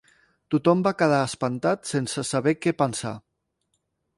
Tothom va quedar espantat sense saber què pensar.